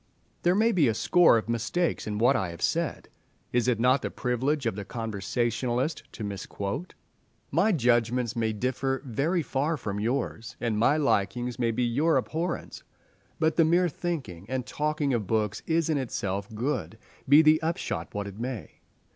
There may be a score of mistakes in what I have said—is it not the privilege of the conversationalist to misquote? My judgments may differ very far from yours, and my likings may be your abhorrence; but the mere thinking and talking of books is in itself good, be the upshot what it may.